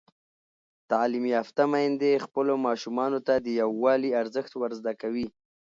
تعلیم یافته میندې خپلو ماشومانو ته د یووالي ارزښت ور زده کوي.